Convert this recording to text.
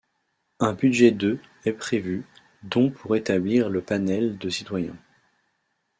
Un budget de est prévu, dont pour établir le panel de citoyens.